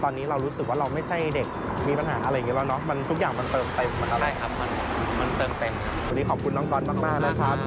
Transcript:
ตอนนี้เรารู้สึกว่าเราไม่ใช่เด็กมีปัญหาอะไรอย่างนี้แล้วเนอะ